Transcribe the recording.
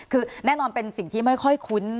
คือแน่นอนเป็นสิ่งที่ไม่ค่อยคุ้น